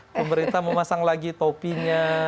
pemerintah memasang lagi topinya